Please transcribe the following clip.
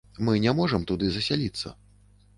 Мы не можам туды засяліцца.